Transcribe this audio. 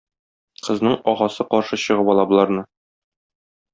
Кызның агасы каршы чыгып ала боларны.